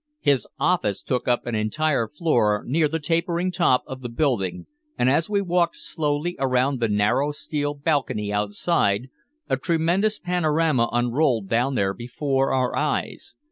His office took up an entire floor near the tapering top of the building, and as we walked slowly around the narrow steel balcony outside, a tremendous panorama unrolled down there before our eyes.